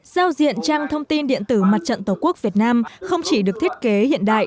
giao diện trang thông tin điện tử mặt trận tổ quốc việt nam không chỉ được thiết kế hiện đại